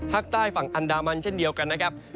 ภาคใต้ฝั่งอันดามันเช่นเดียวกันนะครับ